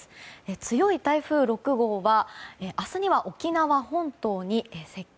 強い台風６号は明日には沖縄本島に接近。